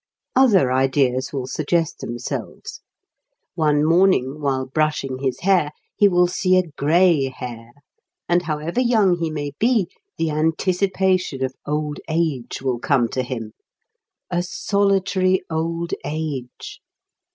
Other ideas will suggest themselves. One morning while brushing his hair he will see a gray hair, and, however young he may be, the anticipation of old age will come to him. A solitary old age!